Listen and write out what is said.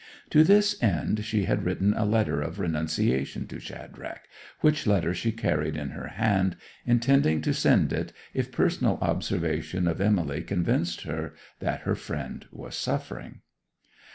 To this end she had written a letter of renunciation to Shadrach, which letter she carried in her hand, intending to send it if personal observation of Emily convinced her that her friend was suffering.